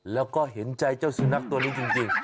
แล้วก็เห็นใจเจ้าสุนัขตัวนี้จริง